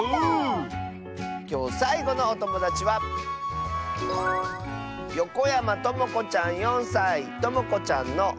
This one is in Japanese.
きょうさいごのおともだちはともこちゃんの。